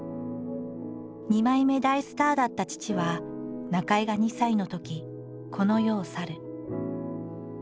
二枚目大スターだった父は中井が２歳のときこの世を去る。